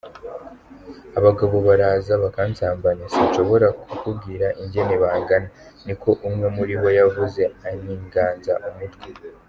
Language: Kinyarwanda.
"Abagabo baraza bakansambanya - sinshobora kukubwira ingene bangana," niko umwe muribo yavuze, anyiganza umutwe.